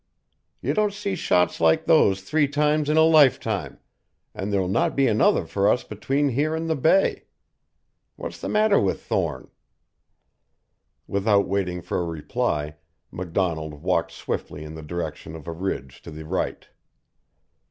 You don't see shots like those three times in a lifetime, and there'll not be another for us between here and the bay. What's the matter with Thorne?" Without waiting for a reply MacDonald walked swiftly in the direction of a ridge to the right.